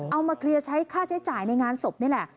เอามาเคลียร์ใช้ค่าใช้จ่ายในงานศพนี่แหละ